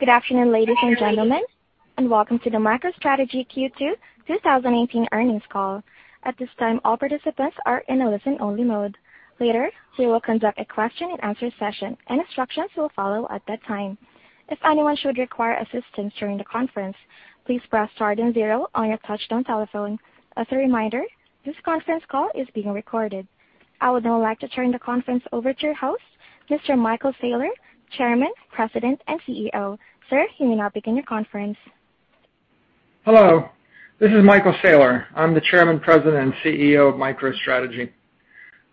Good afternoon, ladies and gentlemen, and welcome to the MicroStrategy Q2 2018 Earnings Call. At this time, all participants are in a listen-only mode. Later, we will conduct a question-and-answer session, and instructions will follow at that time. If anyone should require assistance during the conference, please press star and zero on your touch-tone telephone. As a reminder, this conference call is being recorded. I would now like to turn the conference over to your host, Mr. Michael Saylor, Chairman, President, and CEO. Sir, you may now begin your conference. Hello. This is Michael Saylor. I'm the Chairman, President, and CEO of MicroStrategy.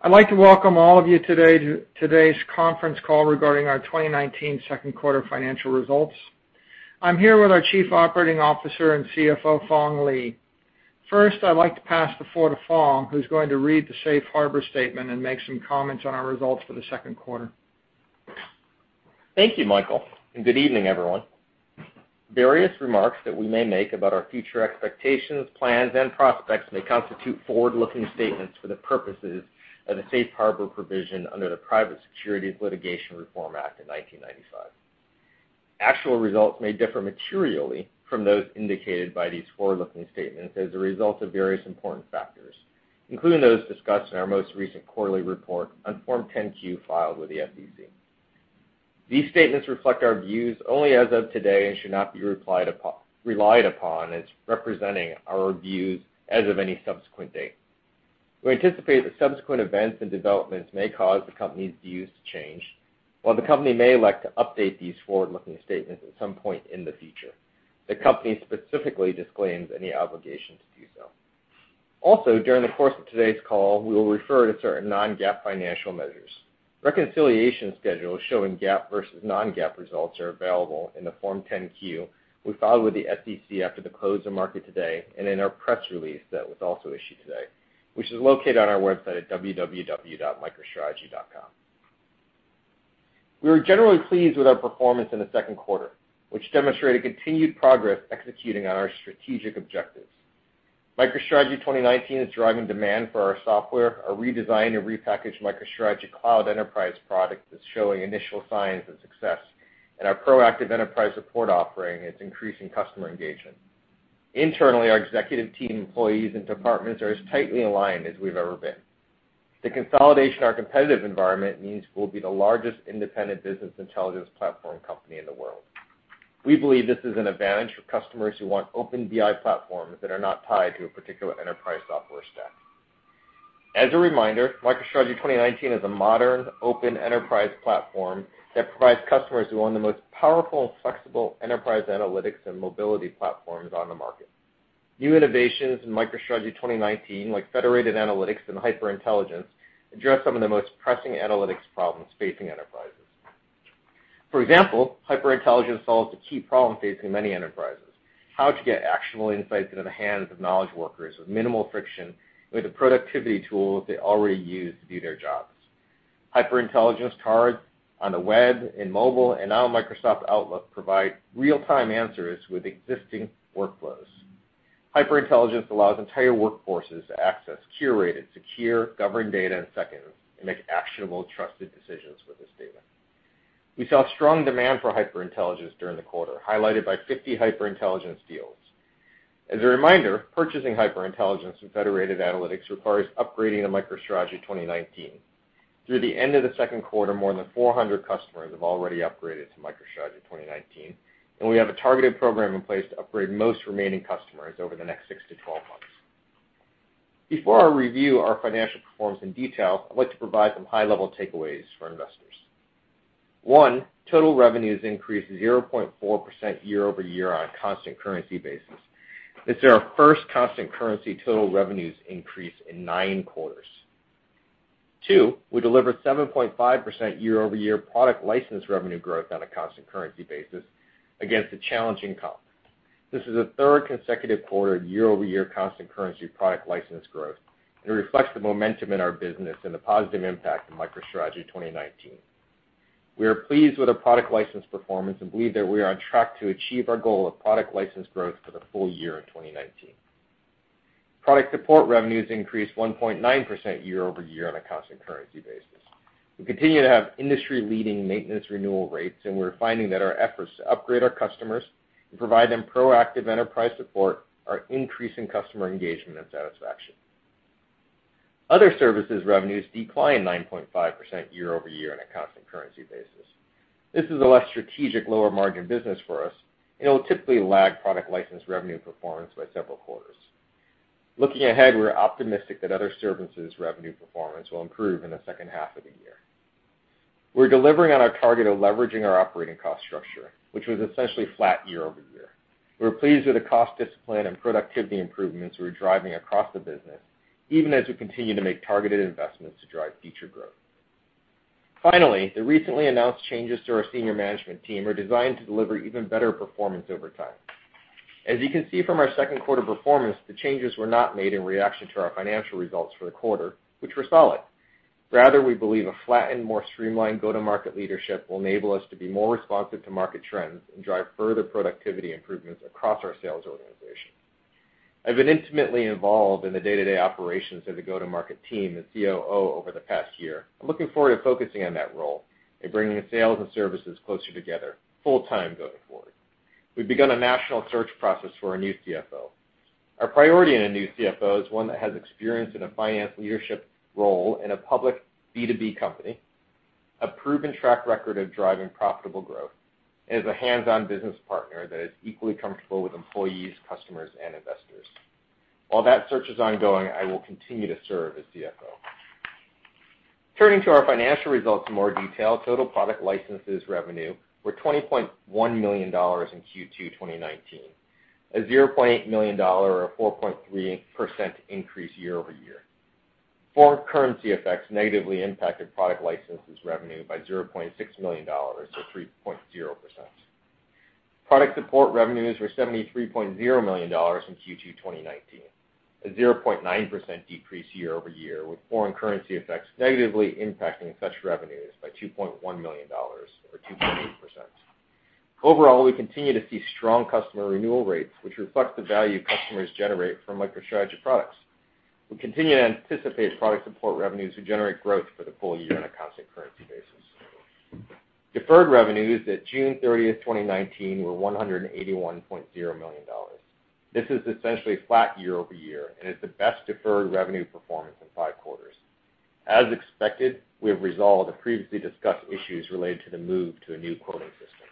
I'd like to welcome all of you today to today's conference call regarding our 2019 second quarter financial results. I'm here with our Chief Operating Officer and CFO, Phong Le. First, I'd like to pass the floor to Phong, who's going to read the safe harbor statement and make some comments on our results for the second quarter. Thank you, Michael, and good evening, everyone. Various remarks that we may make about our future expectations, plans, and prospects may constitute forward-looking statements for the purposes of the safe harbor provision under the Private Securities Litigation Reform Act of 1995. Actual results may differ materially from those indicated by these forward-looking statements as a result of various important factors, including those discussed in our most recent quarterly report on Form 10-Q filed with the SEC. These statements reflect our views only as of today and should not be relied upon as representing our views as of any subsequent date. We anticipate that subsequent events and developments may cause the company's views to change. While the company may elect to update these forward-looking statements at some point in the future, the company specifically disclaims any obligation to do so. During the course of today's call, we will refer to certain non-GAAP financial measures. Reconciliation schedules showing GAAP versus non-GAAP results are available in the Form 10-Q we filed with the SEC after the close of market today and in our press release that was also issued today, which is located on our website at www.microstrategy.com. We are generally pleased with our performance in the second quarter, which demonstrated continued progress executing on our strategic objectives. MicroStrategy 2019 is driving demand for our software. Our redesigned and repackaged MicroStrategy Cloud Enterprise product is showing initial signs of success, and our proactive enterprise support offering is increasing customer engagement. Internally, our executive team, employees, and departments are as tightly aligned as we've ever been. The consolidation of our competitive environment means we'll be the largest independent business intelligence platform company in the world. We believe this is an advantage for customers who want Open BI platforms that are not tied to a particular enterprise software stack. As a reminder, MicroStrategy 2019 is a modern open enterprise platform that provides customers who want the most powerful and flexible enterprise analytics and mobility platforms on the market. New innovations in MicroStrategy 2019, like Federated Analytics and HyperIntelligence, address some of the most pressing analytics problems facing enterprises. For example, HyperIntelligence solves a key problem facing many enterprises: how to get actionable insights into the hands of knowledge workers with minimal friction with the productivity tools they already use to do their jobs. HyperIntelligence cards on the web, in mobile, and now in Microsoft Outlook provide real-time answers within existing workflows. HyperIntelligence allows entire workforces to access curated, secure, governed data in seconds and make actionable, trusted decisions with this data. We saw strong demand for HyperIntelligence during the quarter, highlighted by 50 HyperIntelligence deals. As a reminder, purchasing HyperIntelligence and Federated Analytics requires upgrading to MicroStrategy 2019. Through the end of the second quarter, more than 400 customers have already upgraded to MicroStrategy 2019, and we have a targeted program in place to upgrade most remaining customers over the next six to 12 months. Before I review our financial performance in detail, I'd like to provide some high-level takeaways for investors. One, total revenues increased 0.4% year-over-year on a constant-currency basis. This is our first constant currency total revenues increase in nine quarters. Two, we delivered 7.5% year-over-year product license revenue growth on a constant currency basis against a challenging comp. This is the third consecutive quarter of year-over-year constant currency product license growth. It reflects the momentum in our business and the positive impact of MicroStrategy 2019. We are pleased with our product license performance and believe that we are on track to achieve our goal of product license growth for the full year of 2019. Product support revenues increased 1.9% year-over-year on a constant currency basis. We continue to have industry-leading maintenance renewal rates. We're finding that our efforts to upgrade our customers and provide them proactive enterprise support are increasing customer engagement and satisfaction. Other services revenues declined 9.5% year-over-year on a constant currency basis. This is a less strategic, lower-margin business for us. It'll typically lag product license revenue performance by several quarters. Looking ahead, we're optimistic that other services' revenue performance will improve in the second half of the year. We're delivering on our target of leveraging our operating cost structure, which was essentially flat year-over-year. We're pleased with the cost discipline and productivity improvements we're driving across the business, even as we continue to make targeted investments to drive future growth. Finally, the recently announced changes to our senior management team are designed to deliver even better performance over time. As you can see from our second quarter performance, the changes were not made in reaction to our financial results for the quarter, which were solid. Rather, we believe a flattened, more streamlined go-to-market leadership will enable us to be more responsive to market trends and drive further productivity improvements across our sales organization. I've been intimately involved in the day-to-day operations of the go-to-market team as COO over the past year. I'm looking forward to focusing on that role and bringing the sales and services closer together full-time going forward. We've begun a national search process for a new CFO. Our priority in a new CFO is one that has experience in a finance leadership role in a public B2B company, has a proven track record of driving profitable growth, and is a hands-on business partner that is equally comfortable with employees, customers, and investors. While that search is ongoing, I will continue to serve as CFO. Turning to our financial results in more detail, total product licenses revenue was $20.1 million in Q2 2019, a $0.8 million or 4.3% increase year-over-year. Foreign currency effects negatively impacted product licenses revenue by $0.6 million, or 3.0%. Product support revenues were $73.0 million in Q2 2019, a 0.9% decrease year-over-year, with foreign currency effects negatively impacting such revenues by $2.1 million or 2.8%. Overall, we continue to see strong customer renewal rates, which reflects the value customers generate from MicroStrategy products. We continue to anticipate product support revenues to generate growth for the full year on a constant currency basis. Deferred revenues at June 30th, 2019, were $181.0 million. This is essentially flat year-over-year and is the best deferred revenue performance in five quarters. As expected, we have resolved the previously discussed issues related to the move to a new quoting system.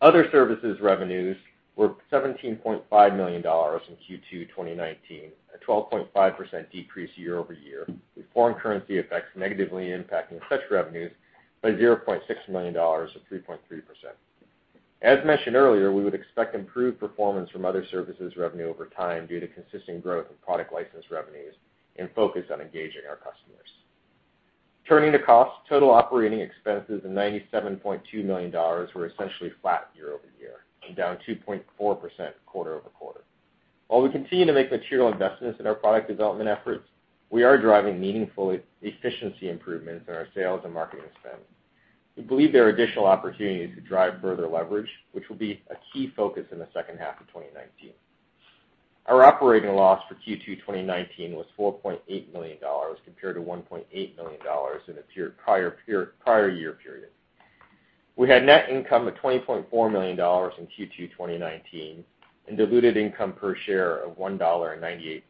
Other services revenues were $17.5 million in Q2 2019, a 12.5% decrease year-over-year, with foreign currency effects negatively impacting such revenues by $0.6 million or 3.3%. As mentioned earlier, we would expect improved performance from other services' revenue over time due to consistent growth of product license revenues and a focus on engaging our customers. Turning to cost, total operating expenses of $97.2 million were essentially flat year-over-year and down 2.4% quarter-over-quarter. While we continue to make material investments in our product development efforts, we are driving meaningful efficiency improvements in our sales and marketing spend. We believe there are additional opportunities to drive further leverage, which will be a key focus in the second half of 2019. Our operating loss for Q2 2019 was $4.8 million compared to $1.8 million in the prior year period. We had net income of $20.4 million in Q2 2019 and diluted income per share of $1.98,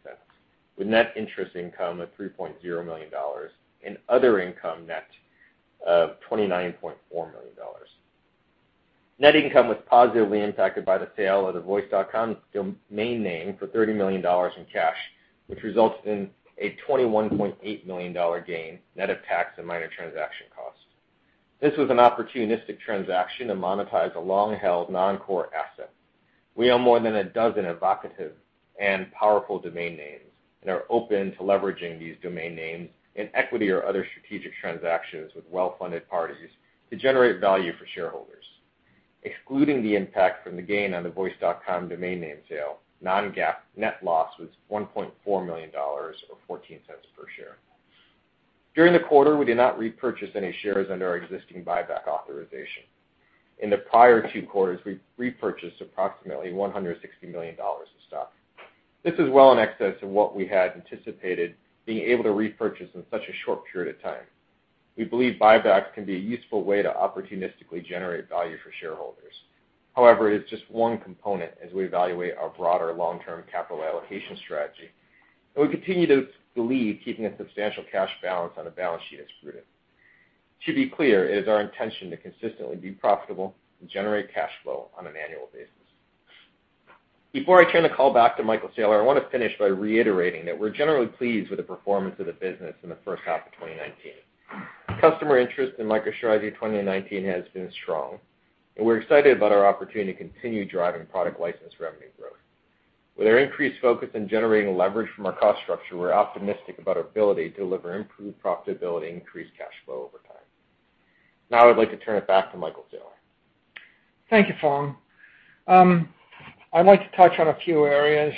with net interest income of $3.0 million and other income net of $29.4 million. Net income was positively impacted by the sale of the Voice.com domain name for $30 million in cash, which resulted in a $21.8 million gain, net of tax and minor transaction costs. This was an opportunistic transaction to monetize a long-held non-core asset. We own more than a dozen evocative and powerful domain names and are open to leveraging these domain names in equity or other strategic transactions with well-funded parties to generate value for shareholders. Excluding the impact from the gain on the Voice.com domain name sale, non-GAAP net loss was $1.4 million, or $0.14 per share. During the quarter, we did not repurchase any shares under our existing buyback authorization. In the prior two quarters, we repurchased approximately $160 million of stock. This is well in excess of what we had anticipated being able to repurchase in such a short period of time. We believe buybacks can be a useful way to opportunistically generate value for shareholders. It is just one component as we evaluate our broader long-term capital allocation strategy, and we continue to believe keeping a substantial cash balance on the balance sheet is prudent. To be clear, it is our intention to consistently be profitable and generate cash flow on an annual basis. Before I turn the call back to Michael Saylor, I want to finish by reiterating that we're generally pleased with the performance of the business in the first half of 2019. Customer interest in MicroStrategy 2019 has been strong, and we're excited about our opportunity to continue driving product license revenue growth. With our increased focus on generating leverage from our cost structure, we're optimistic about our ability to deliver improved profitability and increased cash flow over time. I'd like to turn it back to Michael Saylor. Thank you, Phong. I'd like to touch on a few areas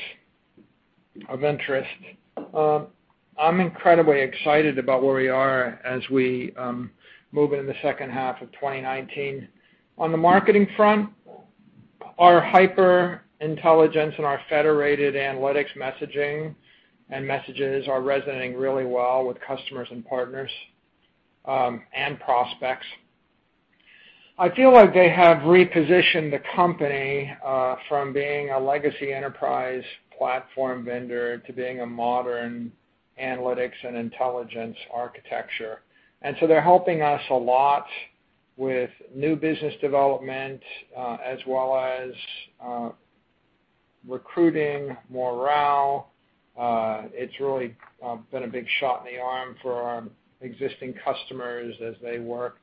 of interest. I'm incredibly excited about where we are as we move into the second half of 2019. On the marketing front, our HyperIntelligence and our Federated Analytics messaging and messages are resonating really well with customers, partners, and prospects. I feel like they have repositioned the company from being a legacy enterprise platform vendor to being a modern analytics and intelligence architecture. They're helping us a lot with new business development, as well as recruiting morale. It's really been a big shot in the arm for our existing customers as they work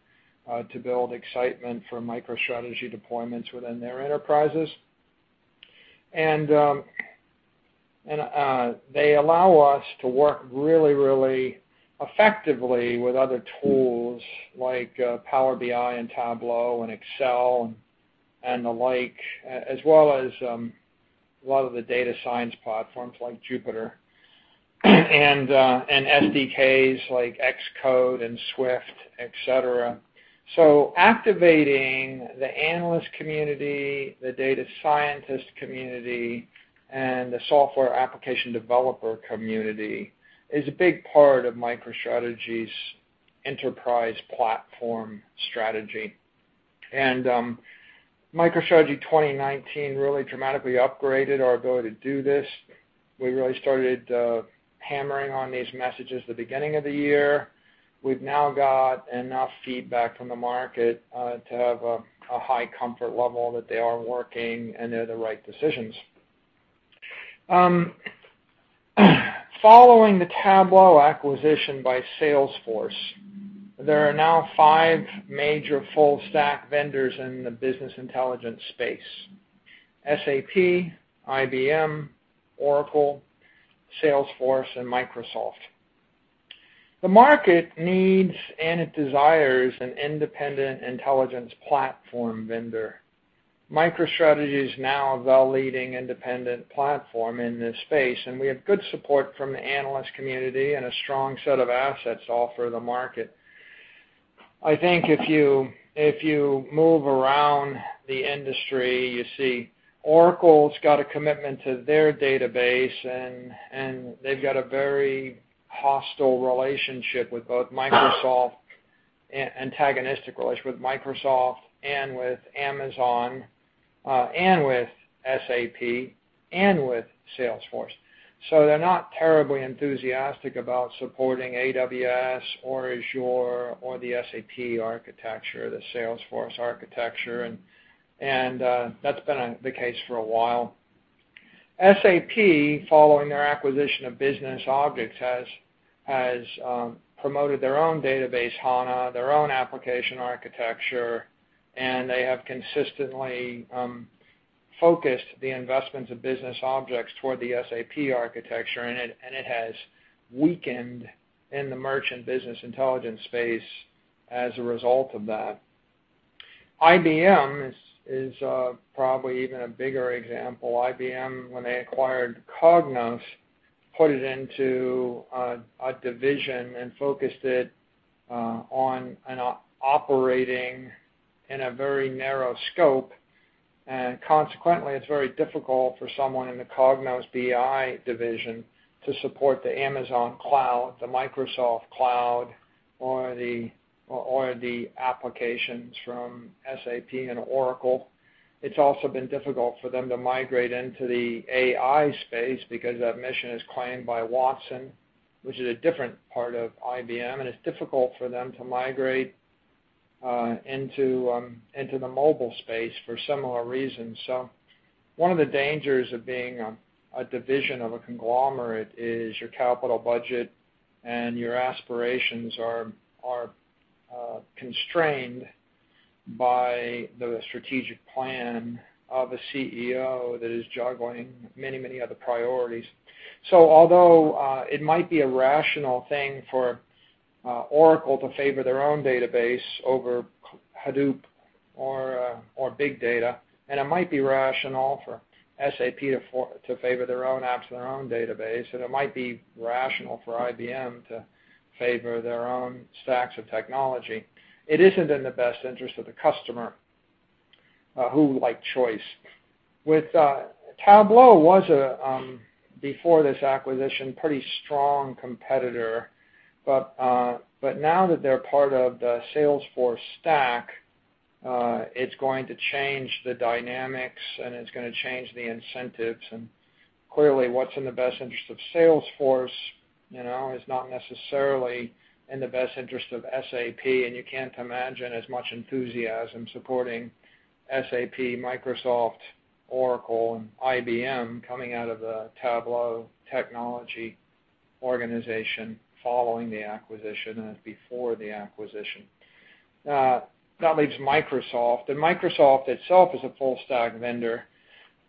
to build excitement for MicroStrategy deployments within their enterprises. They allow us to work really, really effectively with other tools like Power BI and Tableau and Excel and the like, as well as a lot of the data science platforms like Jupyter and SDKs like Xcode and Swift, et cetera. Activating the analyst community, the data scientist community, and the software application developer community is a big part of MicroStrategy's enterprise platform strategy. MicroStrategy 2019 really dramatically upgraded our ability to do this. We really started hammering on these messages at the beginning of the year. We've now got enough feedback from the market to have a high comfort level that they are working and they're the right decisions. Following the Tableau acquisition by Salesforce, there are now five major full-stack vendors in the business intelligence space: SAP, IBM, Oracle, Salesforce, and Microsoft. The market needs it and desires an independent intelligence platform vendor. MicroStrategy is now the leading independent platform in this space, and we have good support from the analyst community and a strong set of assets to offer the market. I think if you move around the industry, you see Oracle's got a commitment to their database, and they've got a very hostile relationship with, or antagonistic relationship with, Microsoft and with Amazon and with SAP, and with Salesforce. They're not terribly enthusiastic about supporting AWS or Azure or the SAP architecture or the Salesforce architecture, and that's been the case for a while. SAP, following their acquisition of BusinessObjects, has promoted their own database, HANA, and their own application architecture, and they have consistently focused the investments of BusinessObjects toward the SAP architecture, and it has weakened in the merchant business intelligence space as a result of that. IBM is probably even a bigger example. IBM, when they acquired Cognos, put it into a division and focused it on operating in a very narrow scope. Consequently, it's very difficult for someone in the Cognos BI division to support the Amazon cloud, the Microsoft cloud, or the applications from SAP and Oracle. It's also been difficult for them to migrate into the AI space because that mission is claimed by Watson, which is a different part of IBM, and it's difficult for them to migrate into the mobile space for similar reasons. One of the dangers of being a division of a conglomerate is your capital budget and your aspirations are constrained by the strategic plan of a CEO that is juggling many other priorities. Although it might be a rational thing for Oracle to favor their own database over Hadoop or big data, and it might be rational for SAP to favor their own apps and their own database, and it might be rational for IBM to favor their own stacks of technology, it isn't in the best interest of the customer who likes choice. Tableau was, before this acquisition, a pretty strong competitor. Now that they're part of the Salesforce stack, it's going to change the dynamics, and it's going to change the incentives. Clearly, what's in the best interest of Salesforce is not necessarily in the best interest of SAP, and you can't imagine as much enthusiasm supporting SAP, Microsoft, Oracle, and IBM coming out of a Tableau technology organization following the acquisition as before the acquisition. That leaves Microsoft, and Microsoft itself is a full stack vendor.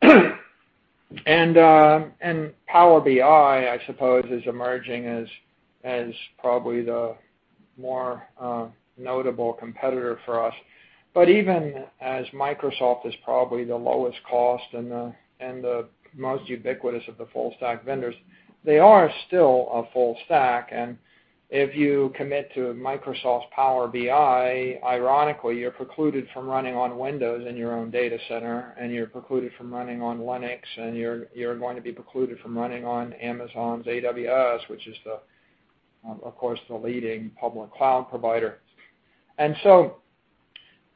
Power BI, I suppose, is emerging as probably the more notable competitor for us. Even as Microsoft is probably the lowest cost and the most ubiquitous of the full-stack vendors, they are still a full stack. If you commit to Microsoft's Power BI, ironically, you're precluded from running on Windows in your own data center, and you're precluded from running on Linux, and you're going to be precluded from running on Amazon's AWS, which is, of course, the leading public cloud provider.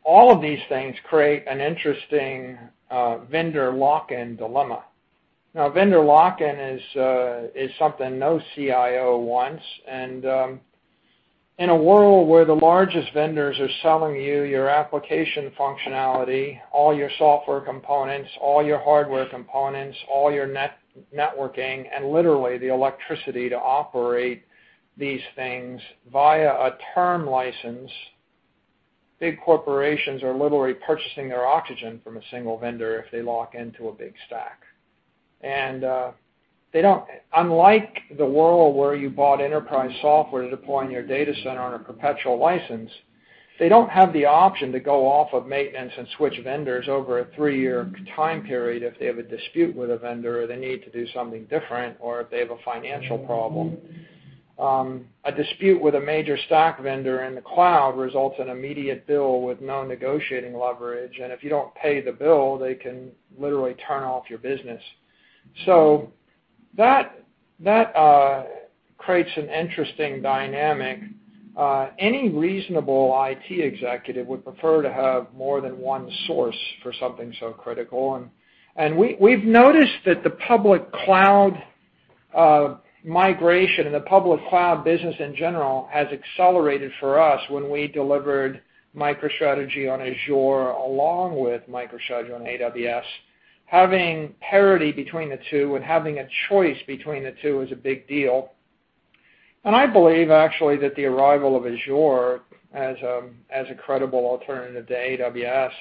All of these things create an interesting vendor lock-in dilemma. Vendor lock-in is something no CIO wants. In a world where the largest vendors are selling you your application functionality, all your software components, all your hardware components, all your networking, and literally the electricity to operate these things via a term license, big corporations are literally purchasing their oxygen from a single vendor if they lock into a big stack. Unlike the world where you bought enterprise software to deploy in your data center on a perpetual license, they don't have the option to go off of maintenance and switch vendors over a three-year time period if they have a dispute with a vendor or they need to do something different, or if they have a financial problem. A dispute with a major stack vendor in the cloud results in an immediate bill with no negotiating leverage. If you don't pay the bill, they can literally turn off your business. That creates an interesting dynamic. Any reasonable IT executive would prefer to have more than one source for something so critical. We've noticed that the public cloud migration and the public cloud business in general have accelerated for us when we delivered MicroStrategy on Azure along with MicroStrategy on AWS. Having parity between the two and having a choice between the two is a big deal. I believe actually that the arrival of Azure as a credible alternative to AWS,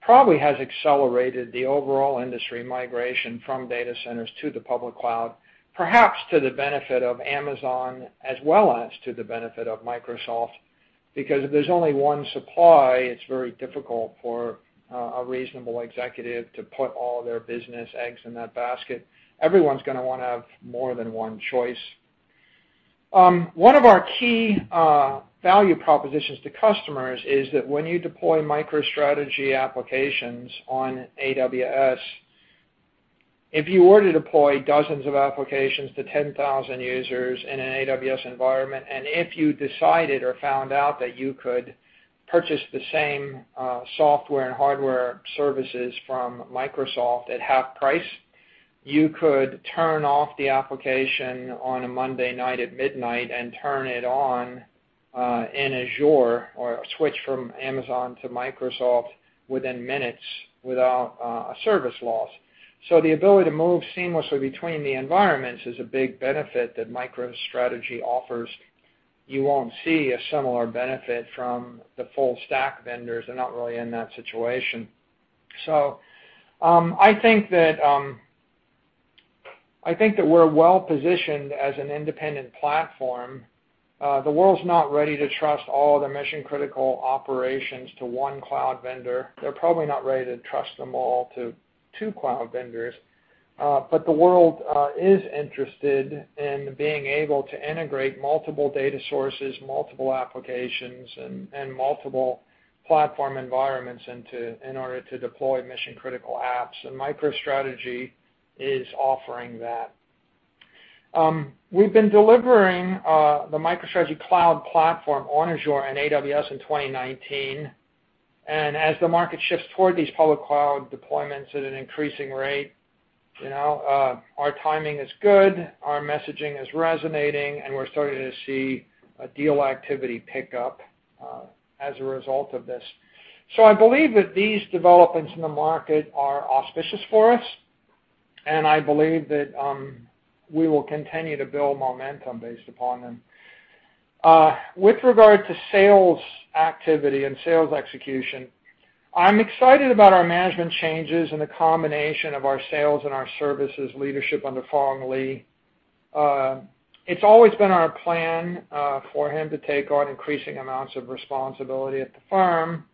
probably has accelerated the overall industry migration from data centers to the public cloud, perhaps to the benefit of Amazon as well as to the benefit of Microsoft, because if there's only one supply, it's very difficult for a reasonable executive to put all their business eggs in that basket. Everyone's going to want to have more than one choice. One of our key value propositions to customers is that when you deploy MicroStrategy applications on AWS, if you were to deploy dozens of applications to 10,000 users in an AWS environment and if you decided or found out that you could purchase the same software and hardware services from Microsoft at half price, you could turn off the application on a Monday night at midnight and turn it on in Azure or switch from Amazon to Microsoft within minutes without a service loss. The ability to move seamlessly between the environments is a big benefit that MicroStrategy offers. You won't see a similar benefit from the full-stack vendors. They're not really in that situation. I think that we're well-positioned as an independent platform. The world's not ready to trust all their mission-critical operations to one cloud vendor. They're probably not ready to trust them all to two cloud vendors. The world is interested in being able to integrate multiple data sources, multiple applications, and multiple platform environments in order to deploy mission-critical apps, and MicroStrategy is offering that. We've been delivering the MicroStrategy cloud platform on Azure and AWS in 2019. As the market shifts toward these public cloud deployments at an increasing rate, our timing is good, our messaging is resonating, and we're starting to see deal activity pick up as a result of this. I believe that these developments in the market are auspicious for us, and I believe that we will continue to build momentum based upon them. With regard to sales activity and sales execution, I'm excited about our management changes and the combination of our sales and our services leadership under Phong Le. It's always been our plan for him to take on increasing amounts of responsibility at the firm,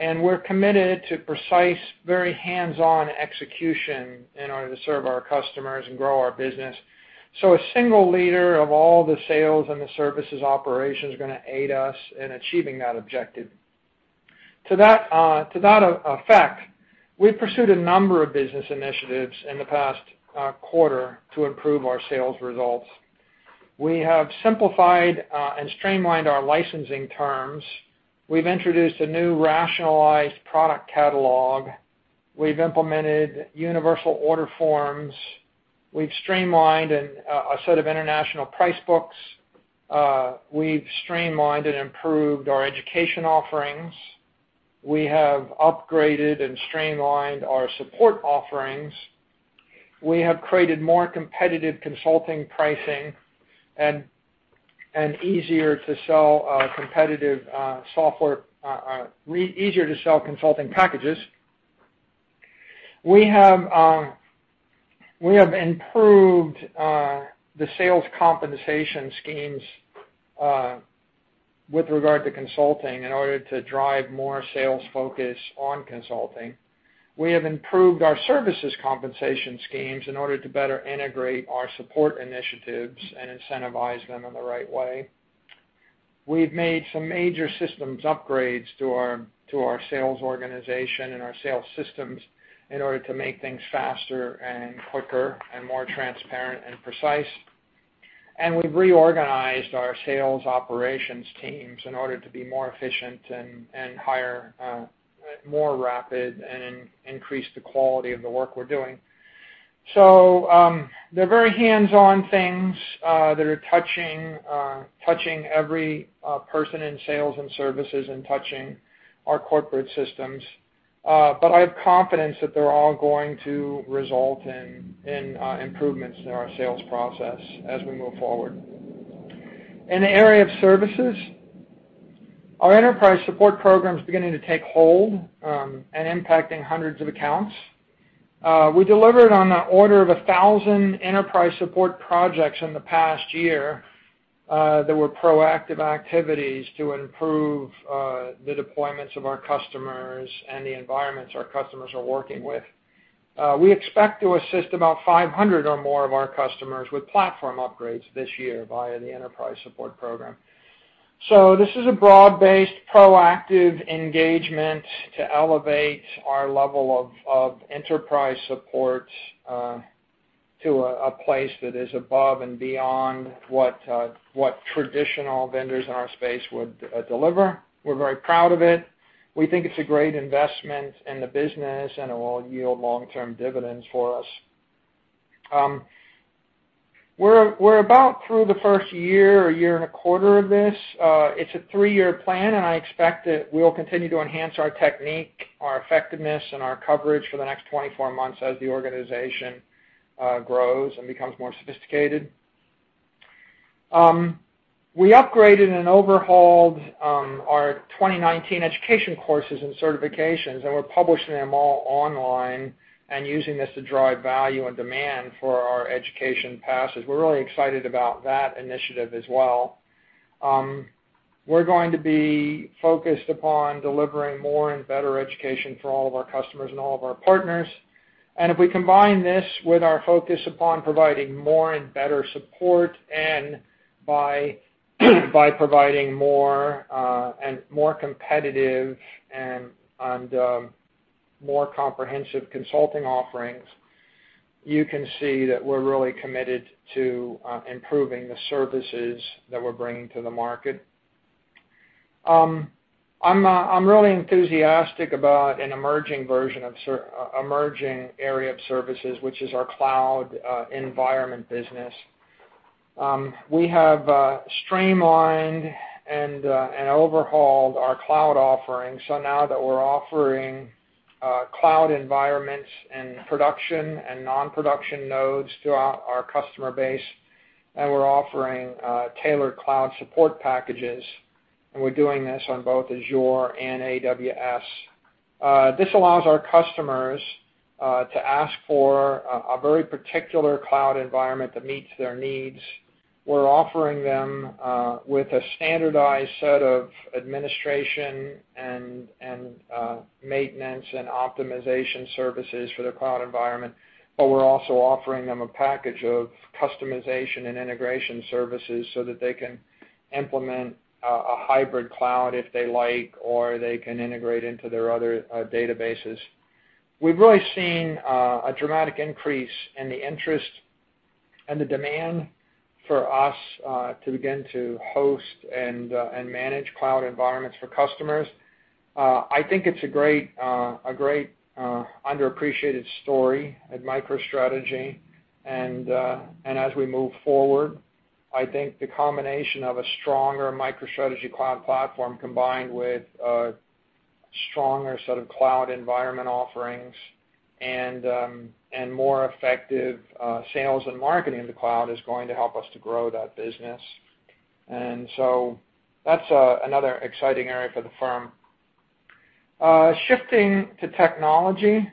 and we're committed to precise, very hands-on execution in order to serve our customers and grow our business. A single leader of all the sales and the services operations is going to aid us in achieving that objective. To that effect, we've pursued a number of business initiatives in the past quarter to improve our sales results. We have simplified and streamlined our licensing terms. We've introduced a new rationalized product catalog. We've implemented universal order forms. We've streamlined a set of international price books. We've streamlined and improved our education offerings. We have upgraded and streamlined our support offerings. We have created more competitive consulting pricing and easier-to-sell consulting packages. We have improved the sales compensation schemes with regard to consulting in order to drive more sales focus on consulting. We have improved our services compensation schemes in order to better integrate our support initiatives and incentivize them in the right way. We've made some major systems upgrades to our sales organization and our sales systems in order to make things faster and quicker and more transparent and precise. We've reorganized our sales operations teams in order to be more efficient and hire more rapidly and increase the quality of the work we're doing. They're very hands-on things that are touching every person in sales and services and touching our corporate systems. I have confidence that they're all going to result in improvements in our sales process as we move forward. In the area of services, our Enterprise Support Program is beginning to take hold and impacting hundreds of accounts. We delivered on the order of 1,000 Enterprise Support projects in the past year that were proactive activities to improve the deployments of our customers and the environments our customers are working with. We expect to assist about 500 or more of our customers with platform upgrades this year via the Enterprise Support Program. This is a broad-based, proactive engagement to elevate our level of enterprise support to a place that is above and beyond what traditional vendors in our space would deliver. We're very proud of it. We think it's a great investment in the business, and it will yield long-term dividends for us. We're about through the first year or year and a quarter of this. It's a three-year plan. I expect that we'll continue to enhance our technique, our effectiveness, and our coverage for the next 24 months as the organization grows and becomes more sophisticated. We upgraded and overhauled our 2019 education courses and certifications. We're publishing them all online and using this to drive value and demand for our education passes. We're really excited about that initiative as well. We're going to be focused upon delivering more and better education for all of our customers and all of our partners. If we combine this with our focus upon providing more and better support and more competitive and more comprehensive consulting offerings, you can see that we're really committed to improving the services that we're bringing to the market. I'm really enthusiastic about an emerging area of services, which is our cloud environment business. We have streamlined and overhauled our cloud offering, so now we're offering cloud environments and production and non-production nodes throughout our customer base, and we're offering tailored cloud support packages, and we're doing this on both Azure and AWS. This allows our customers to ask for a very particular cloud environment that meets their needs. We're offering them a standardized set of administration and maintenance and optimization services for their cloud environment, but we're also offering them a package of customization and integration services so that they can implement a hybrid cloud if they like, or they can integrate it into their other databases. We've really seen a dramatic increase in the interest and the demand for us to begin to host and manage cloud environments for customers. I think it's a great underappreciated story at MicroStrategy. As we move forward, I think the combination of a stronger MicroStrategy cloud platform combined with a stronger set of cloud environment offerings and more effective sales and marketing in the cloud is going to help us to grow that business. That's another exciting area for the firm. Shifting to technology,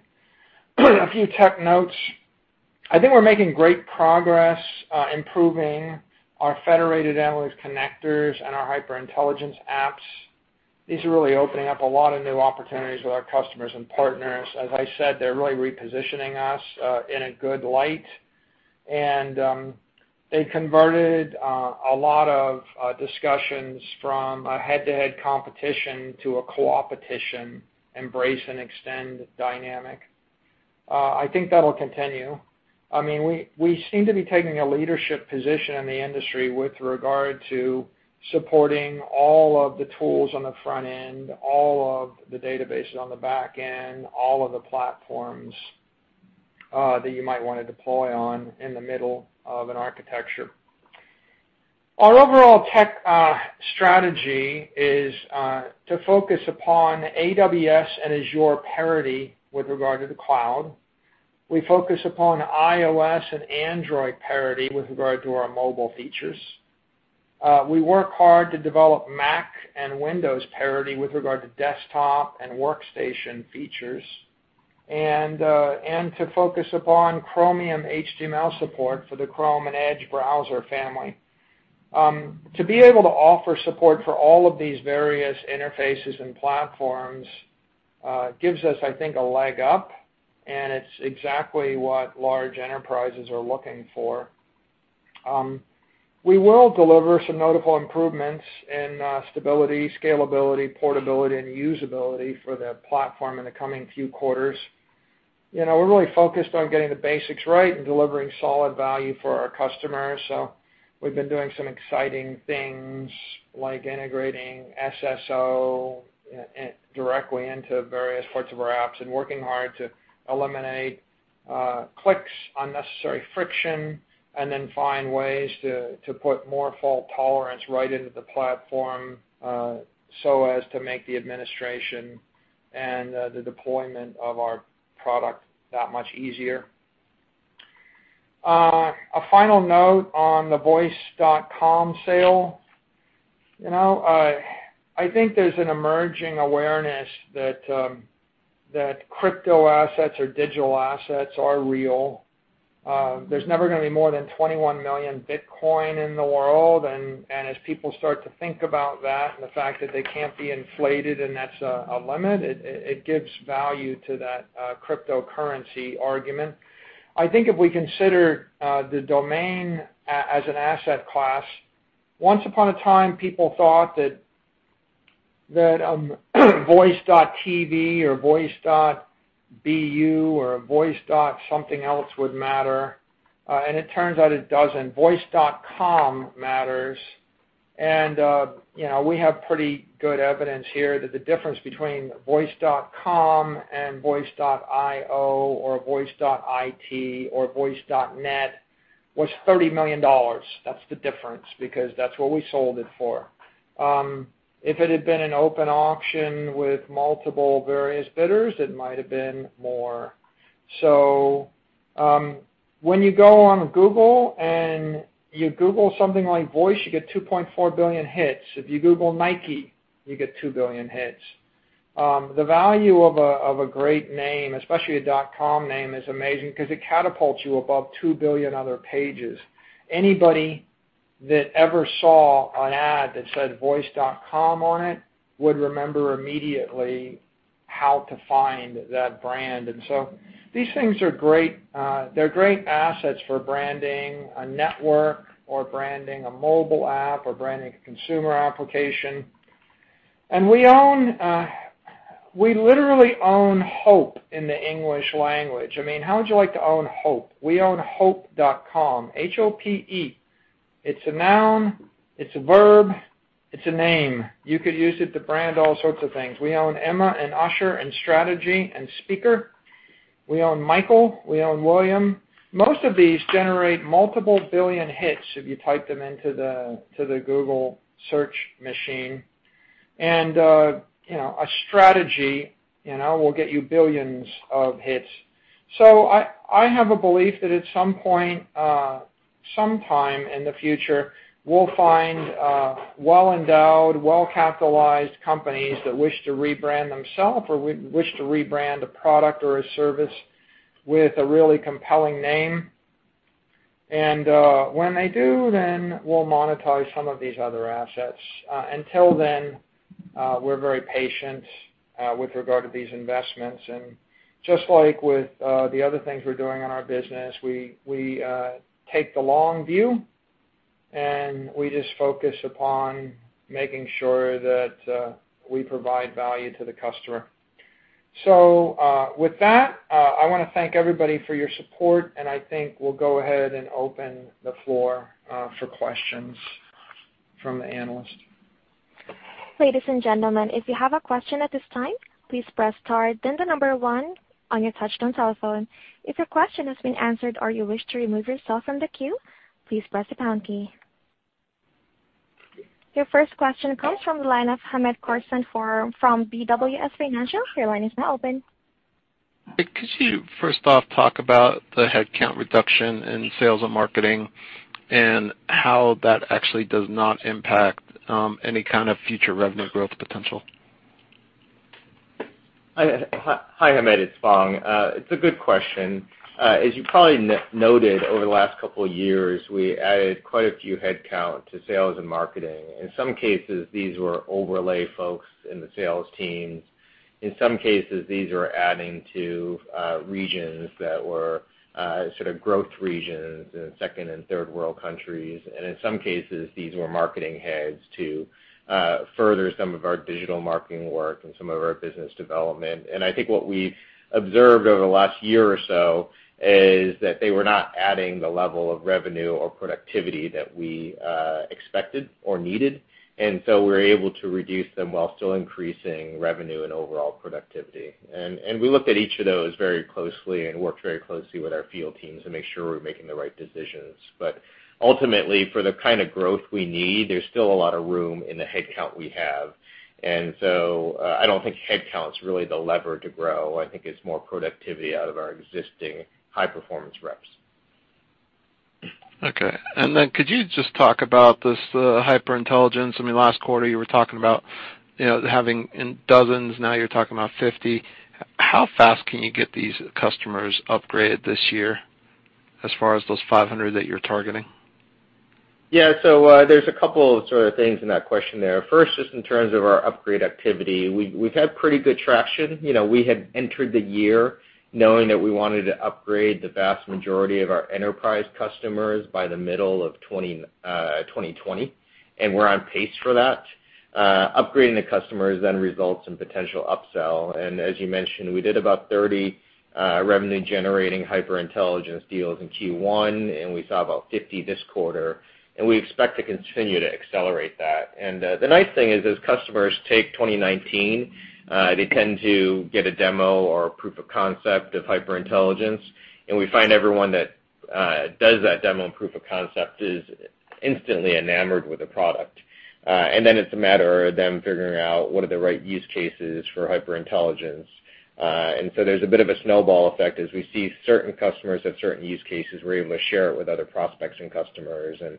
a few tech notes. I think we're making great progress improving our Federated Analytics connectors and our HyperIntelligence apps. These are really opening up a lot of new opportunities with our customers and partners. As I said, they're really repositioning us in a good light, and they converted a lot of discussions from a head-to-head competition to a coopetition embrace and extend dynamic. I think that'll continue. We seem to be taking a leadership position in the industry with regard to supporting all of the tools on the front end, all of the databases on the back end, and all of the platforms that you might want to deploy in the middle of an architecture. Our overall tech strategy is to focus upon AWS and Azure parity with regard to the cloud. We focus upon iOS and Android parity with regard to our mobile features. We work hard to develop Mac and Windows parity with regard to desktop and workstation features and to focus upon Chromium HTML support for the Chrome and Edge browser families. To be able to offer support for all of these various interfaces and platforms gives us, I think, a leg up, and it's exactly what large enterprises are looking for. We will deliver some notable improvements in stability, scalability, portability, and usability for the platform in the coming few quarters. We're really focused on getting the basics right and delivering solid value for our customers. We've been doing some exciting things like integrating SSO directly into various parts of our apps and working hard to eliminate clicks and unnecessary friction and then finding ways to put more fault tolerance right into the platform so as to make the administration and the deployment of our product that much easier. A final note on the voice.com sale. I think there's an emerging awareness that crypto assets or digital assets are real. There's never going to be more than 21 million Bitcoin in the world, and as people start to think about that and the fact that they can't be inflated and that's a limit, it gives value to that cryptocurrency argument. I think if we consider the domain as an asset class, once upon a time, people thought that Voice.tv or Voice.bu or voice. something else would matter. It turns out it doesn't. Voice.com matters. We have pretty good evidence here that the difference between Voice.com and voice.io or voice.it or voice.net was $30 million. That's the difference, because that's what we sold it for. If it had been an open auction with multiple various bidders, it might have been more. When you go on Google and you Google something like Voice, you get 2.4 billion hits. If you Google Nike, you get 2 billion hits. The value of a great name, especially a .com name, is amazing because it catapults you above 2 billion other pages. Anybody that ever saw an ad that said Voice.com on it would remember immediately how to find that brand. These things are great. They're great assets for branding a network or branding a mobile app or branding a consumer application. We literally own hope in the English language. How would you like to own hope? We own Hope.com, H-O-P-E. It's a noun, it's a verb, and it's a name. You could use it to brand all sorts of things. We own Emma and Usher and Strategy and Speaker. We own Michael. We own William. Most of these generate multiple billion hits if you type them into the Google search machine. Strategy will get you billions of hits. I have a belief that at some point, sometime in the future, we'll find well-endowed, well-capitalized companies that wish to rebrand themselves or wish to rebrand a product or a service with a really compelling name. When they do, then we'll monetize some of these other assets. Until then, we're very patient with regard to these investments. Just like with the other things we're doing in our business, we take the long view, and we just focus upon making sure that we provide value to the customer. With that, I want to thank everybody for your support, and I think we'll go ahead and open the floor for questions from the analysts. Ladies and gentlemen, if you have a question at this time, please press the star, then the number one on your touch-tone telephone. If your question has been answered or you wish to remove yourself from the queue, please press the pound key. Your first question comes from the line of Hamed Khorsand from BWS Financial. Your line is now open. Could you first off talk about the headcount reduction in sales and marketing and how that actually does not impact any kind of future revenue growth potential? Hi, Hamed, it's Phong. It's a good question. As you probably noted, over the last couple of years, we added quite a bit of headcount to sales and marketing. In some cases, these were overlay folks in the sales teams. In some cases, these were added to regions that were sort of growth regions in second- and third-world countries. In some cases, these were marketing heads to further some of our digital marketing work and some of our business development. I think what we observed over the last year or so is that they were not adding the level of revenue or productivity that we expected or needed. We were able to reduce them while still increasing revenue and overall productivity. We looked at each of those very closely and worked very closely with our field teams to make sure we were making the right decisions. Ultimately, for the kind of growth we need, there's still a lot of room in the headcount we have. I don't think headcount's really the lever to grow with. I think it's more productivity out of our existing high-performance reps. Okay. Could you just talk about this HyperIntelligence? Last quarter you were talking about having dozens. Now you're talking about 50. How fast can you get these customers upgraded this year as far as those 500 that you're targeting? Yeah. There are a couple sort of things in that question there. First, just in terms of our upgrade activity, we've had pretty good traction. We had entered the year knowing that we wanted to upgrade the vast majority of our enterprise customers by the middle of 2020, and we're on pace for that. Upgrading the customers then results in a potential upsell. As you mentioned, we did about 30 revenue-generating HyperIntelligence deals in Q1, and we saw about 50 this quarter, and we expect to continue to accelerate that. The nice thing is as customers take 2019, they tend to get a demo or a proof of concept of HyperIntelligence, and we find everyone that does that demo and proof of concept is instantly enamored with the product. It's a matter of them figuring out what the right use cases for HyperIntelligence are. There's a bit of a snowball effect as we see certain customers have certain use cases, we're able to share it with other prospects and customers, and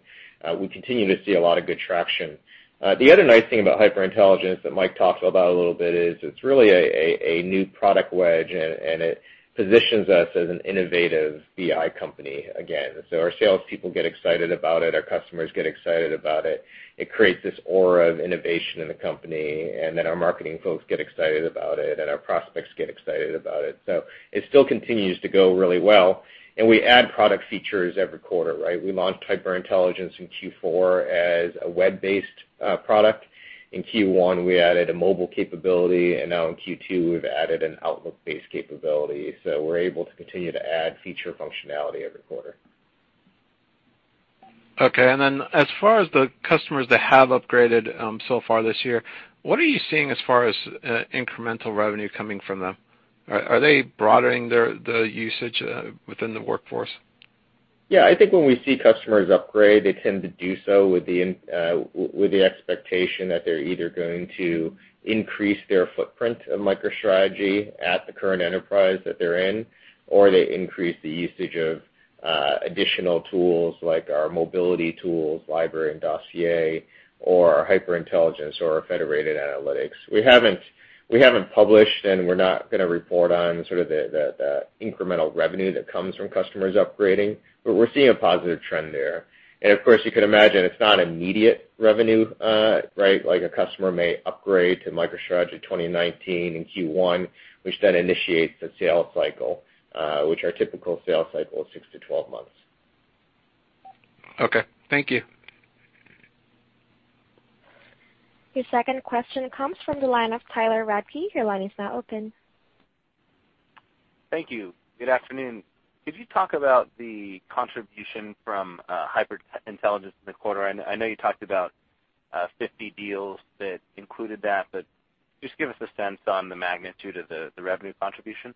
we continue to see a lot of good traction. The other nice thing about HyperIntelligence that Michael talked about a little bit is it's really a new product wedge, and it positions us as an innovative BI company again. Our salespeople get excited about it, our customers get excited about it. It creates this aura of innovation in the company, and then our marketing folks get excited about it, and our prospects get excited about it. It still continues to go really well. We add product features every quarter, right? We launched HyperIntelligence in Q4 as a web-based product. In Q1, we added a mobile capability, and now in Q2, we've added an Outlook-based capability. We're able to continue to add feature functionality every quarter. Okay, as far as the customers that have upgraded so far this year, what are you seeing as far as incremental revenue coming from them? Are they broadening the usage within the workforce? I think when we see customers upgrade, they tend to do so with the expectation that they're either going to increase their footprint of MicroStrategy at the current enterprise that they're in, or they're going to increase the usage of additional tools, like our mobility tools, Library and Dossier, or HyperIntelligence or Federated Analytics. We haven't published, and we're not going to report on the sort of incremental revenue that comes from customers upgrading, but we're seeing a positive trend there. Of course, you could imagine it's not immediate revenue, right? Like a customer may upgrade to MicroStrategy 2019 in Q1, which then initiates the sales cycle, whose typical sales cycle is six to 12 months. Okay. Thank you. Your second question comes from the line of Tyler Radke. Your line is now open. Thank you. Good afternoon. Could you talk about the contribution from HyperIntelligence in the quarter? I know you talked about 50 deals that included that, but just give us a sense of the magnitude of the revenue contribution.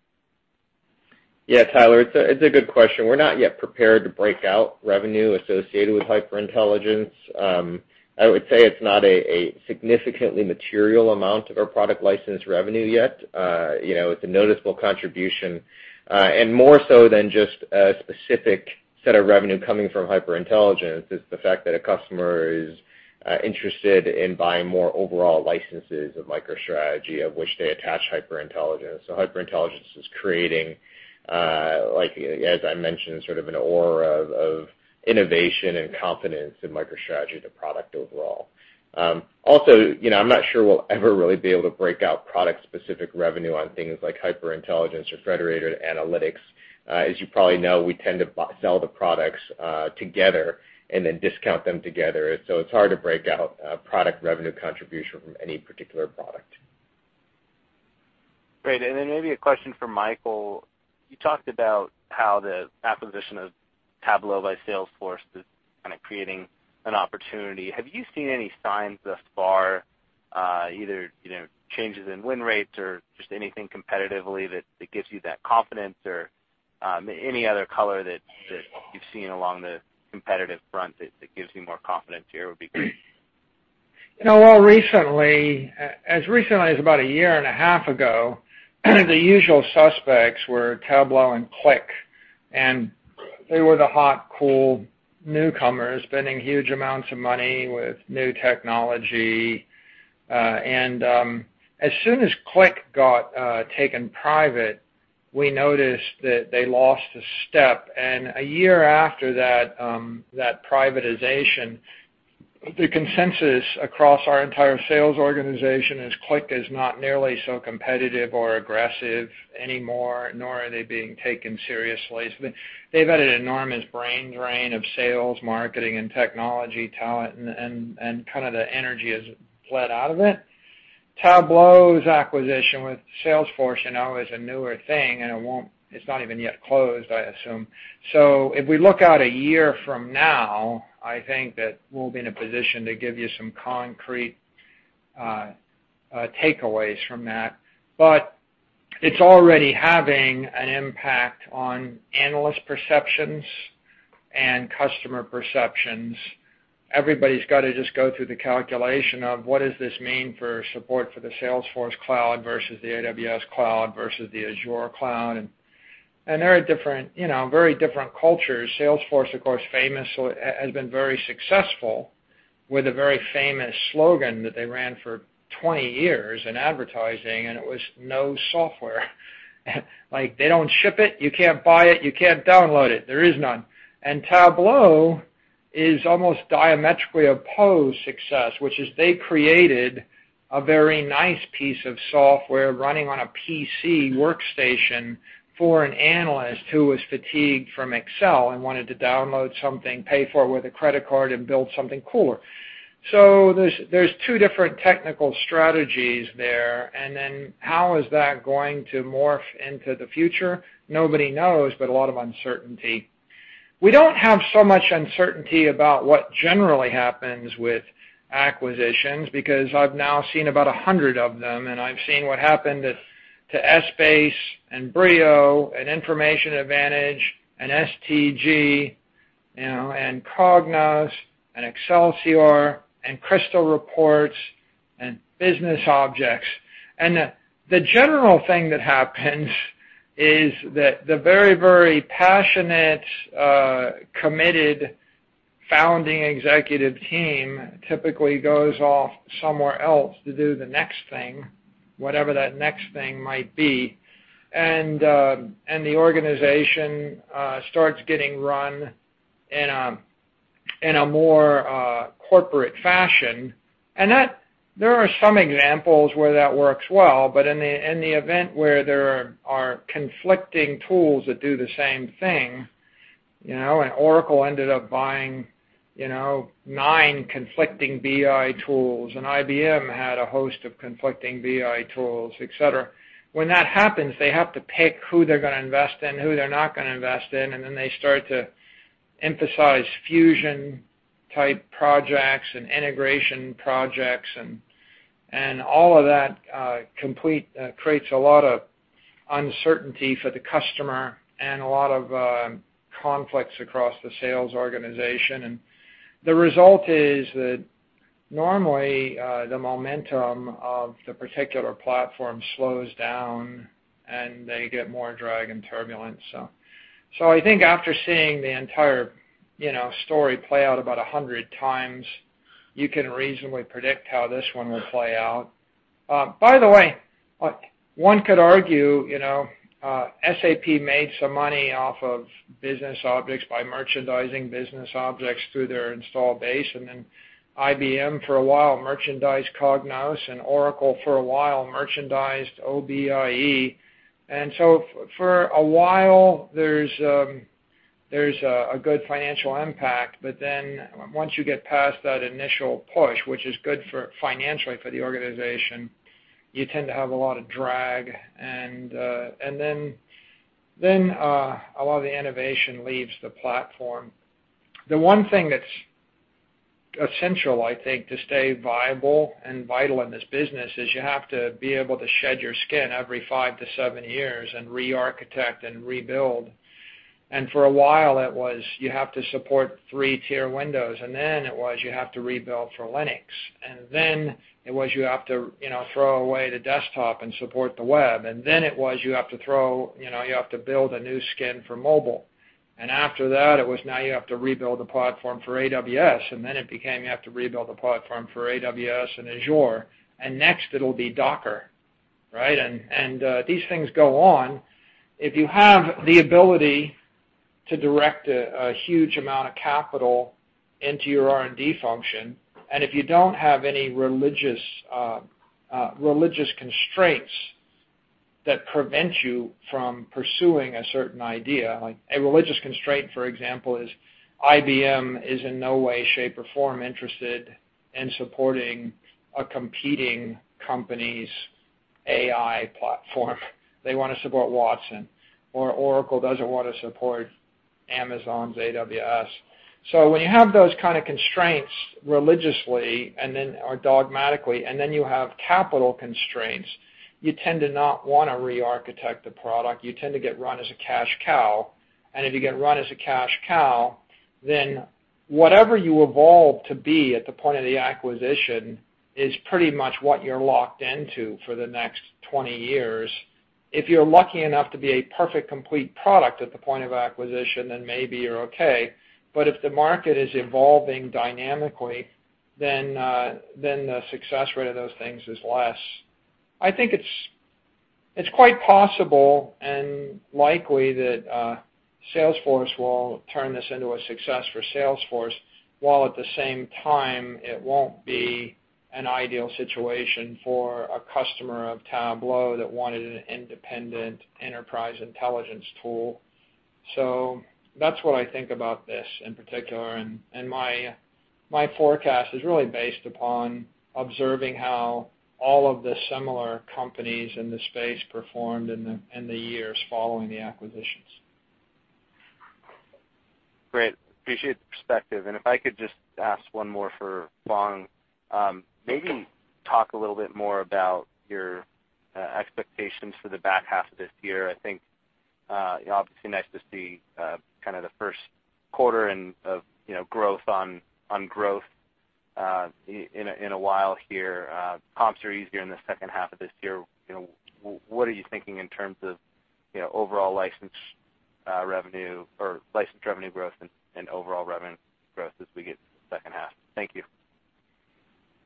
Yeah, Tyler, it's a good question. We're not yet prepared to break out revenue associated with HyperIntelligence. I would say it's not a significantly material amount of our product license revenue yet. It's a noticeable contribution. More so than just a specific set of revenue coming from HyperIntelligence is the fact that a customer is interested in buying more overall licenses of MicroStrategy, to which they attach HyperIntelligence. HyperIntelligence is creating, as I mentioned, sort of an aura of innovation and confidence in MicroStrategy, the product overall. Also, I'm not sure we'll ever really be able to break out product-specific revenue on things like HyperIntelligence or Federated Analytics. As you probably know, we tend to sell the products together and then discount them together. It's hard to break out product revenue contribution from any particular product. Great. Then maybe a question for Michael. You talked about how the acquisition of Tableau by Salesforce is kind of creating an opportunity. Have you seen any signs thus far, either changes in win rates or just anything competitively that gives you that confidence or any other color that you've seen along the competitive front that gives you more confidence here would be great. Well, as recently as about a year and a half ago, the usual suspects were Tableau and Qlik. They were the hot, cool newcomers spending huge amounts of money with new technology. As soon as Qlik got taken private, we noticed that they lost a step. A year after that privatization, the consensus across our entire sales organization is Qlik is not nearly so competitive or aggressive anymore, nor is it being taken seriously. They've had an enormous brain drain of sales, marketing, and technology talent, and kind of the energy has fled out of it. Tableau's acquisition with Salesforce is a newer thing, and it's not even yet closed, I assume. If we look out a year from now, I think that we'll be in a position to give you some concrete takeaways from that. It's already having an impact on analyst perceptions and customer perceptions. Everybody's got to just go through the calculation of what this means for support for the Salesforce cloud versus the AWS cloud versus the Azure cloud. There are very different cultures. Salesforce, of course, has been very successful with a very famous slogan that they ran for 20 years in advertising, and it was No software. Like, they don't ship it, you can't buy it, you can't download it. There is none. Tableau is almost diametrically opposed to success, which is why they created a very nice piece of software running on a PC workstation for an analyst who was fatigued from Excel and wanted to download something, pay for it with a credit card, and build something cooler. There are two different technical strategies there. How is that going to morph into the future? Nobody knows; there's a lot of uncertainty. We don't have so much uncertainty about what generally happens with acquisitions. I've now seen about 100 of them, I've seen what happened to Essbase and Brio and Information Advantage and STG and Cognos and Excelsior and Crystal Reports and BusinessObjects. The general thing that happens is that the very, very passionate, committed founding executive team typically goes off somewhere else to do the next thing, whatever that next thing might be. The organization starts getting run in a more corporate fashion. There are some examples where that works well. In the event where there are conflicting tools that do the same thing, Oracle ended up buying nine conflicting BI tools, IBM had a host of conflicting BI tools, etc. When that happens, they have to pick who they're going to invest in and who they're not going to invest in, and then they start to emphasize fusion-type projects and integration projects, and all of that creates a lot of uncertainty for the customer and a lot of conflicts across the sales organization. The result is that normally, the momentum of the particular platform slows down, and they get more drag and turbulence. I think after seeing the entire story play out about 100 times, you can reasonably predict how this one will play out. By the way, one could argue SAP made some money off of BusinessObjects by merchandising BusinessObjects through their install base, and then IBM, for a while, merchandised Cognos, and Oracle, for a while, merchandised OBIEE. For a while, there's a good financial impact, but then once you get past that initial push, which is good financially for the organization, you tend to have a lot of drag. A lot of the innovation leaves the platform. The one thing that's essential, I think, to stay viable and vital in this business is that you have to be able to shed your skin every five to seven years and re-architect and rebuild. For a while, you had to support three-tier Windows. Then it was you who had to rebuild for Linux. Then it was you who had to throw away the desktop and support the web. Then it was you who had to build a new skin for mobile. After that, it was now your job to rebuild the platform for AWS. Then it became you have to rebuild the platform for AWS and Azure. Next it'll be Docker, right? These things go on. If you have the ability to direct a huge amount of capital into your R&D function and if you don't have any religious constraints that prevent you from pursuing a certain idea. Like, a religious constraint, for example, is IBM is in no way, shape, or form interested in supporting a competing company's AI platform. They want to support Watson. Oracle doesn't want to support Amazon's AWS. When you have those kinds of constraints religiously or dogmatically, then you have capital constraints, you tend to not want to re-architect the product. You tend to get run as a cash cow. If you get run as a cash cow, then whatever you evolve to be at the point of the acquisition is pretty much what you're locked into for the next 20 years. If you're lucky enough to be a perfect complete product at the point of acquisition, then maybe you're okay. If the market is evolving dynamically, then the success rate of those things is less. I think it's quite possible and likely that Salesforce will turn this into a success for Salesforce, while at the same time, it won't be an ideal situation for a customer of Tableau that wanted an independent enterprise intelligence tool. That's what I think about this in particular, and my forecast is really based upon observing how all of the similar companies in this space performed in the years following the acquisitions. Great. Appreciate the perspective. If I could just ask one more for Phong. Maybe talk a little bit more about your expectations for the back half of this year. I think, obviously, it's nice to see the first quarter of growth on growth in a while here. Comps are easier in the second half of this year. What are you thinking in terms of license revenue growth and overall revenue growth as we get to the second half? Thank you.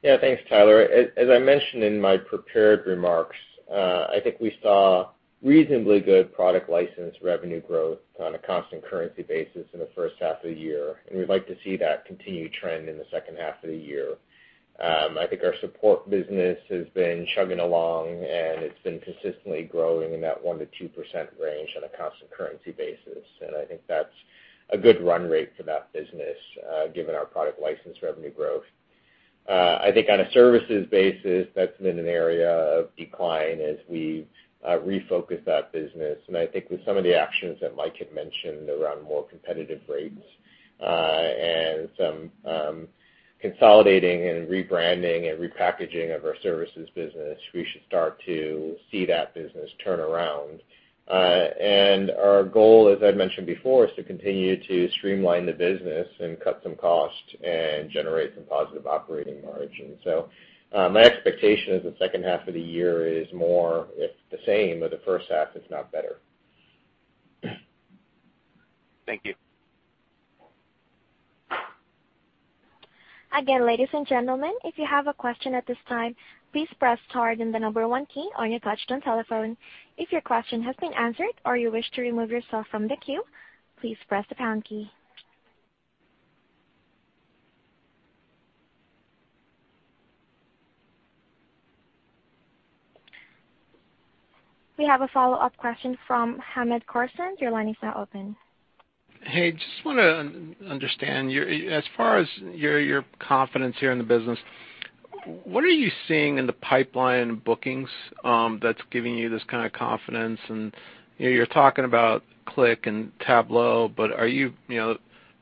Yeah. Thanks, Tyler. As I mentioned in my prepared remarks, I think we saw reasonably good product license revenue growth on a constant currency basis in the first half of the year, and we'd like to see that continued trend in the second half of the year. I think our support business has been chugging along, and it's been consistently growing in that 1%-2% range on a constant currency basis, and I think that's a good run rate for that business, given our product license revenue growth. I think on a services basis, that's been an area of decline as we refocus that business. I think about some of the actions that Michael had mentioned around more competitive rates. Some consolidating and rebranding and repackaging of our services business. We should start to see that business turn around. Our goal, as I'd mentioned before, is to continue to streamline the business and cut some costs and generate some positive operating margin. My expectation is the second half of the year is more, if the same as the first half, if not better. Thank you. Again, ladies and gentlemen, if you have a question at this time, please press the star then the number one key on your touch-tone telephone. If your question has been answered or you wish to remove yourself from the queue, please press the pound key. We have a follow-up question from Hamed Khorsand. Your line is now open. Hey, I just want to understand, as far as your confidence here in the business, what are you seeing in the pipeline bookings that's giving you this kind of confidence? You're talking about Qlik and Tableau, but are you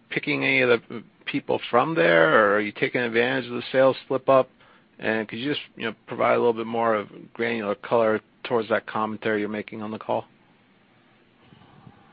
picking any of the people from there, or are you taking advantage of the sales slip-up? Could you just provide a little bit more of granular color towards that commentary you're making on the call?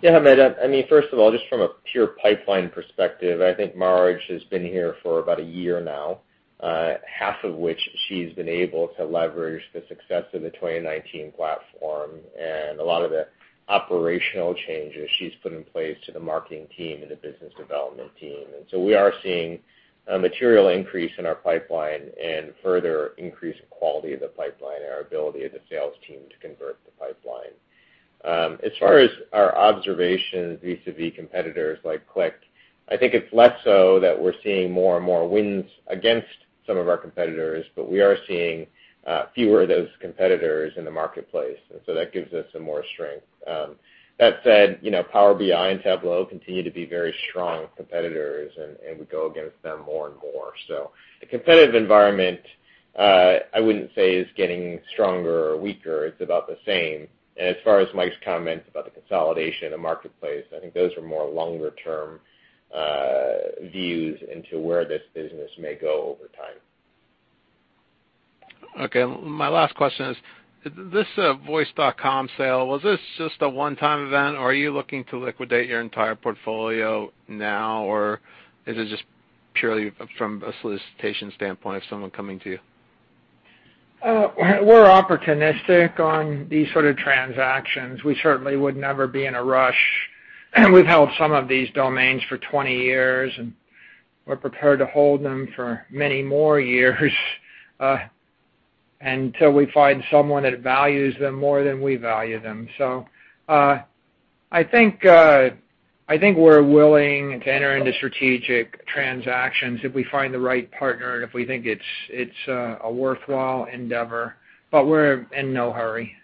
Hamed. First of all, just from a pure pipeline perspective, I think Mahraj has been here for about one year now, half of which she has been able to leverage the success of the 2019 platform and a lot of the operational changes she has put in place to the marketing team and the business development team. We are seeing a material increase in our pipeline and a further increase in the quality of the pipeline and our ability as a sales team to convert the pipeline. As far as our observations vis-a-vis competitors like Qlik, I think it is less so that we are seeing more and more wins against some of our competitors, but we are seeing fewer of those competitors in the marketplace, and so that gives us some more strength. That said, Power BI and Tableau continue to be very strong competitors, and we go against them more and more. The competitive environment, I wouldn't say, is getting stronger or weaker. It's about the same. As far as Michael's comment about the consolidation of the marketplace, I think those are more longer-term views into where this business may go over time. Okay. My last question is, this voice.com sale, was this just a one-time event, or are you looking to liquidate your entire portfolio now, or is it just purely from a solicitation standpoint of someone coming to you? We're opportunistic on these sorts of transactions. We certainly would never be in a rush. We've held some of these domains for 20 years, and we're prepared to hold them for many more years until we find someone that values them more than we value them. I think we're willing to enter into strategic transactions if we find the right partner and if we think it's a worthwhile endeavor, but we're in no hurry.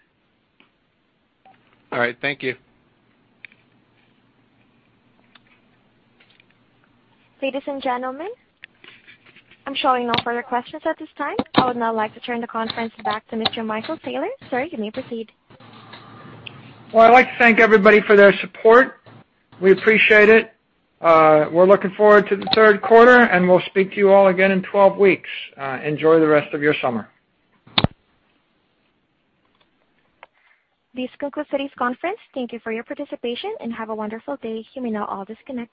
All right. Thank you. Ladies and gentlemen, I'm showing no further questions at this time. I would now like to turn the conference back to Mr. Michael Saylor. Sir, you may proceed. Well, I'd like to thank everybody for their support. We appreciate it. We're looking forward to the third quarter, and we'll speak to you all again in 12 weeks. Enjoy the rest of your summer. This concludes today's conference. Thank you for your participation, and have a wonderful day. You may now all disconnect.